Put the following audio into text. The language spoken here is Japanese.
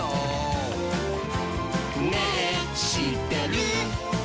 「ねぇしってる？」